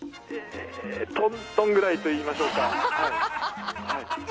トントンくらいといいましょうか。